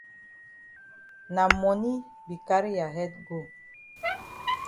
Na moni be carry ya head go.